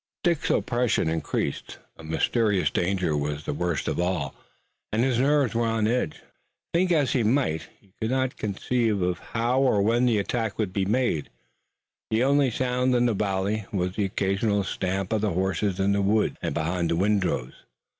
Dick's oppression increased. A mysterious danger was the worst of all, and his nerves were on edge. Think as he might, he could not conceive how or where the attack would be made. The only sound in the valley was the occasional stamp of the horses in the woods and behind the windrows.